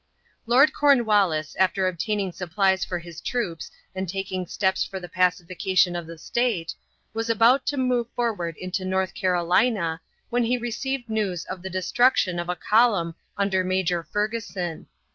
Lord Cornwallis, after obtaining supplies for his troops and taking steps for the pacification of the State, was about to move forward into North Carolina, when he received news of the destruction of a column under Major Fergusson.